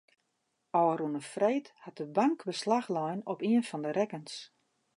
Ofrûne freed hat de bank beslach lein op ien fan de rekkens.